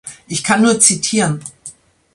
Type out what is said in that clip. Ich kann nur zitieren.